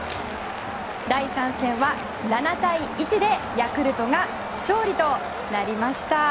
第３戦は７対１でヤクルトが勝利となりました。